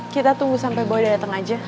kita tunggu sampe boy udah dateng aja